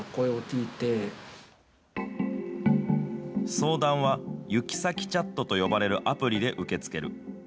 相談はユキサキチャットと呼ばれるアプリで受け付ける。